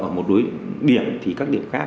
ở một đối điểm thì các điểm khác